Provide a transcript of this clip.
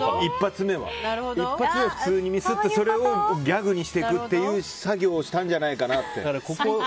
１発目は普通にミスってそれをギャグにしていくという作業をしたんじゃないかなって。